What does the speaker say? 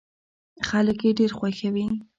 خلک يې ډېر خوښوي.